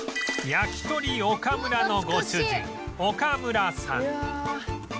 やきとりおかむらのご主人岡村さん